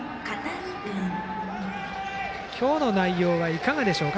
今日の内容はいかがでしょうか。